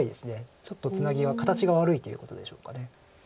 ちょっとツナギは形が悪いということでしょうか。